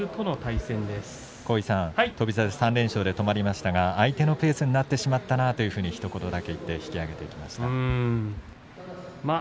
翔猿３連勝で止まりましたが相手のペースになってしまったなと、ひと言だけ言って引き揚げていきました。